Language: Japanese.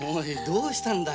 どうしたんだ？